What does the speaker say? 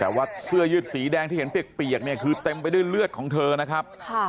แต่ว่าเสื้อยืดสีแดงที่เห็นเปียกเนี่ยคือเต็มไปด้วยเลือดของเธอนะครับ